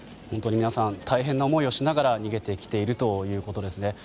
皆さん大変な思いをしながら逃げてきているということですね。